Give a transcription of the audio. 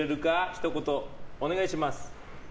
ひと言お願いします。